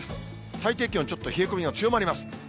最低気温ちょっと冷え込みが強まります。